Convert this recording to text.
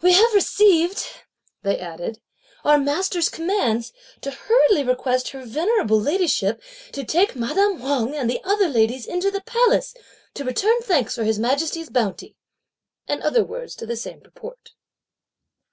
"We have received," they added, "our master's commands, to hurriedly request her venerable ladyship to take madame Wang and the other ladies into the Palace, to return thanks for His Majesty's bounty;" and other words to the same purport.